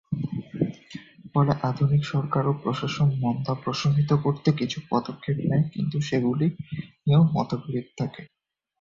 ফলে, আধুনিক সরকার ও প্রশাসন মন্দা প্রশমিত করতে কিছু পদক্ষেপ নেয়, কিন্তু সেগুলি নিয়েও মতবিরোধ থাকে।